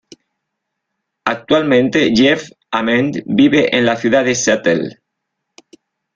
Actualmente, Jeff Ament vive en la ciudad de Seattle.